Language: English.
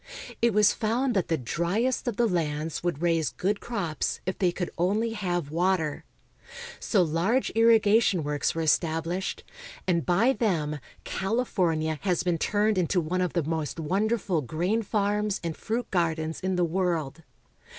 It was found that the driest of the lands would raise good crops if they could only have water. So large irri gation works were established, and by them California has been turned into one of the mOst wonderful grain farms and fruit gardens in the world.